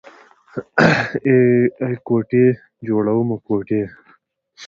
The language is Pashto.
ای کوټې جوړومه کوټې.